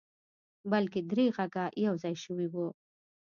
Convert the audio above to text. بلکې درې غږه يو ځای شوي وو.